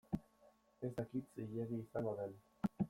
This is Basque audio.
Ez dakit zilegi izango den.